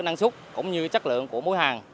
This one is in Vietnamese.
năng suất cũng như chất lượng của mỗi hàng